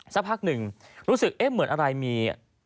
สักพักหนึ่งรู้สึกเอ๊ะเหมือนอะไรมี